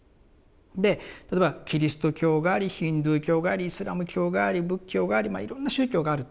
で例えばキリスト教がありヒンズー教がありイスラム教があり仏教がありまあいろんな宗教があると。